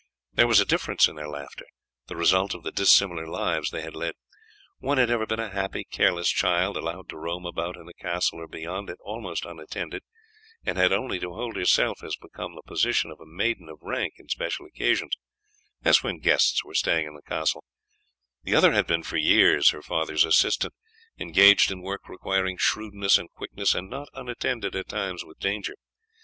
There was a difference in their laughter, the result of the dissimilar lives they had led. One had ever been a happy, careless child, allowed to roam about in the castle or beyond it almost unattended, and had only to hold herself as became the position of a maiden of rank on special occasions, as when guests were staying in the castle; the other had been for years her father's assistant, engaged in work requiring shrewdness and quickness and not unattended at times with danger.